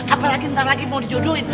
apalagi ntar lagi mau dijodohin